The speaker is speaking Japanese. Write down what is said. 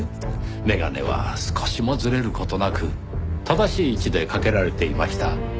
眼鏡は少しもずれる事なく正しい位置で掛けられていました。